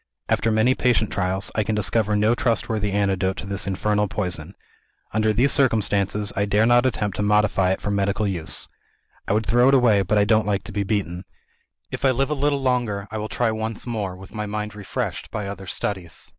"After many patient trials, I can discover no trustworthy antidote to this infernal poison. Under these circumstances, I dare not attempt to modify it for medical use. I would throw it away but I don't like to be beaten. If I live a little longer, I will try once more, with my mind refreshed by other studies.